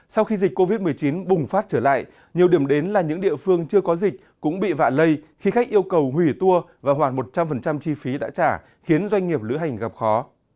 sau khi dịch covid một mươi chín bùng phát trở lại nhiều điểm đến là những địa phương chưa có dịch cũng bị vạ lây khi khách yêu cầu hủy tour và hoàn một trăm linh chi phí đã trả khiến doanh nghiệp lữ hành gặp khó